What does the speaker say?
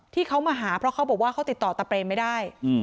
ที่เขามาหาเพราะเขาบอกว่าเขาติดต่อตะเปรมไม่ได้